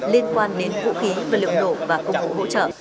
liên quan đến vũ khí vật liệu nổ và công cụ hỗ trợ